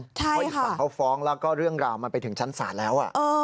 เพราะอีกฝั่งเขาฟ้องแล้วก็เรื่องราวมันไปถึงชั้นศาลแล้ว